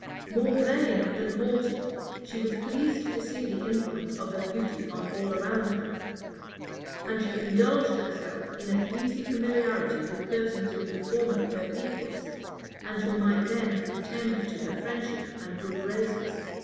More vain than haughty, she was pleased to see the influence of her beauty on all around her; and she indulged herself in an easy familiarity with persons who were formerly her equals, and who might then have pretended to her friendship and good graces.